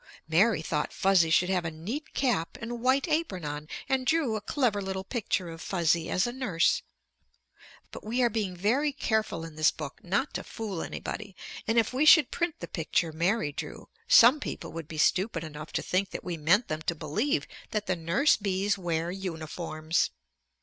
Mary thought Fuzzy should have a neat cap and white apron on and drew a clever little picture of Fuzzy as a nurse. But we are being very careful in this book not to fool anybody, and if we should print the picture Mary drew, some people would be stupid enough to think that we meant them to believe that the nurse bees wear uniforms!